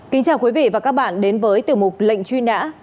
kính chào quý vị và các bạn đến với tiểu mục lệnh truy nã